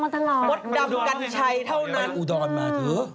ต้องติดตามมาตลอด